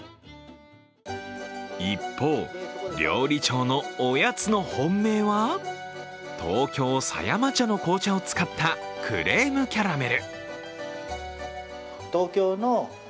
一方、料理長のおやつの本命は東京狭山茶の紅茶を使ったクレーム・キャラメル。